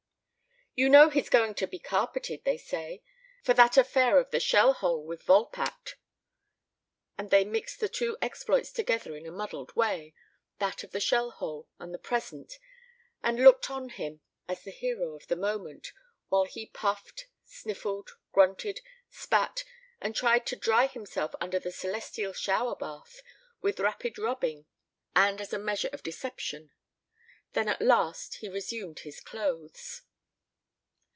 "You know he's going to be carpeted, they say, for that affair of the shell hole with Volpatte." And they mixed the two exploits together in a muddled way, that of the shell hole, and the present, and looked on him as the hero of the moment, while he puffed, sniffled, grunted, spat, and tried to dry himself under the celestial shower bath with rapid rubbing and as a measure of deception; then at last he resumed his clothes.